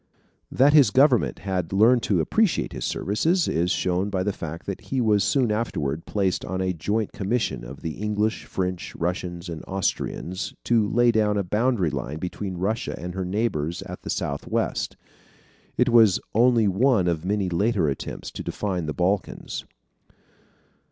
That his government had learned to appreciate his services is shown by the fact that he was soon afterward placed on a joint commission of the English, French, Russians, and Austrians, to lay down a boundary line between Russia and her neighbors at the southwest. It was only one of many later attempts to define the Balkans.